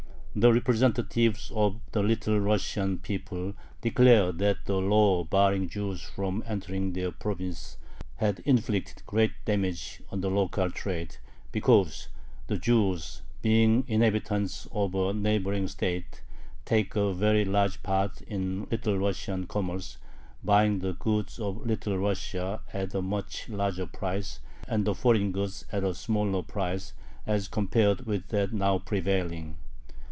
The representatives of the Little Russian people declare that the law barring Jews from entering their province had inflicted great damage on the local trade, because the Jews, "being inhabitants of a neighboring state, take a very large part in Little Russian commerce, buying the goods of Little Russia at a much larger price, and the foreign goods at a smaller price, as compared with that now prevailing."